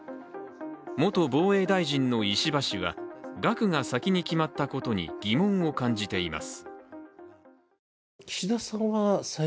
元防衛大臣の石破氏は、額が先に決まったことに疑問を感じています。